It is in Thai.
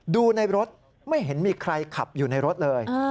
ดูในรถไม่เห็นมีใครขับอยู่ในรถเลย